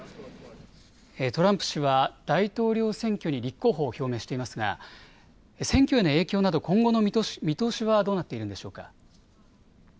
トランプ氏は大統領選挙に立候補を表明していますが選挙への影響など今後の見通しはどうなっているんでしょうか。